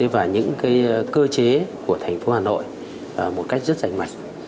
và những cơ chế của thành phố hà nội một cách rất rảnh mạch